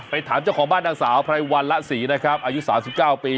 ไปถามเจ้าของบ้านดังสาวไพรวัลละสีนะครับอายุสามสิบเจ้าปี